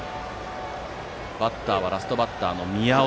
バッターはラストバッターの宮尾。